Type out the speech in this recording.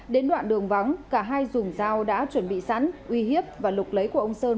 đến đoạn đường vắng cả hai dùng dao đã chuẩn bị sẵn uy hiếp và lục lấy của ông sơn